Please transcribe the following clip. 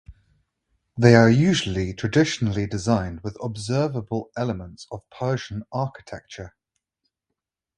They are usually traditionally designed with observable elements of Persian architecture.